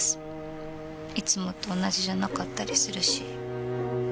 いつもと同じじゃなかったりするし。